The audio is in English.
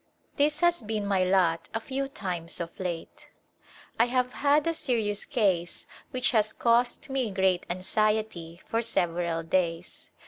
This has been my lot a few times of late. I have had a serious case which has caused me great anxiety for several days.